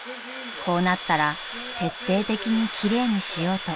［こうなったら徹底的に奇麗にしようと］